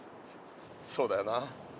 そうだよな。